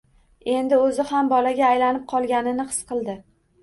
Endi o‘zi ham bolaga aylanib qolganini his qildi.